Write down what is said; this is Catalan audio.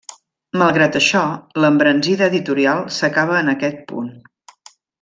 Malgrat això, l'embranzida editorial s'acaba en aquest punt.